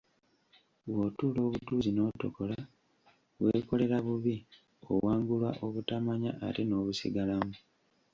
Bw'otuula obutuuzi n'otokola, weekolera bubi, owangulwa obutamanya ate n'obusigalamu.